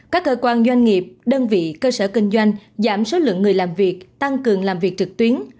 các cơ quan doanh nghiệp đơn vị cơ sở kinh doanh giảm số lượng người làm việc tăng cường làm việc trực tuyến